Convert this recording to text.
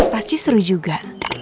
pasti seru juga